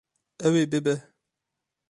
Ew ê bibe.